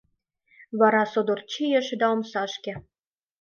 Вара содор чийыш да — омсашке.